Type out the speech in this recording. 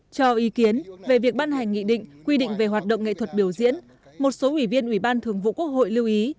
cho ý kiến về việc ban hành nghị định quy định về hoạt động nghệ thuật biểu diễn một số ủy viên ủy ban thường vụ quốc hội lưu ý